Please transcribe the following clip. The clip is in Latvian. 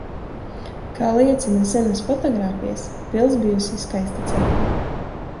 Kā liecina senas fotogrāfijas, pils bijusi skaista celtne.